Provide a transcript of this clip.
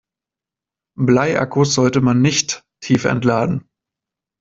Bleiakkus sollte man nicht tiefentladen.